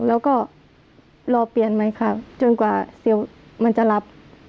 แล้วก็รอเปลี่ยนใหม่ค่ะจนกว่าเซลล์มันจะรับ